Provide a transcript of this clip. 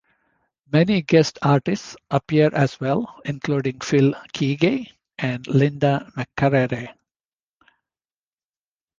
Many guest artists appear as well, including Phil Keaggy and Linda McCrary.